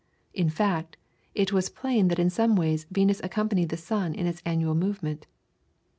In fact, it was plain that in some ways Venus accompanied the sun in its annual movement.